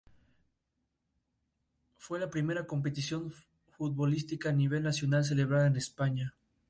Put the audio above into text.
Fue la primera competición futbolística a nivel nacional celebrada en España.